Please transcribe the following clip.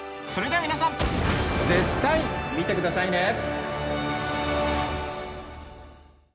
それでは皆さん絶対見てくださいね！